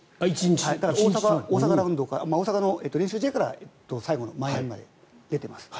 だから、大阪の練習試合から最後のマイアミまで出ています。